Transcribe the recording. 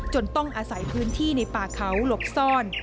ต้องอาศัยพื้นที่ในป่าเขาหลบซ่อน